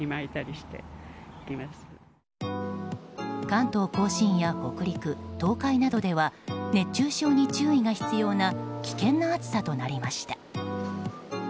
関東・甲信や北陸東海などでは熱中症に注意が必要な危険な暑さとなりました。